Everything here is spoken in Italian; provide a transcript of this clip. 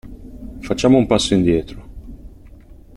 Facciamo un passo indietro.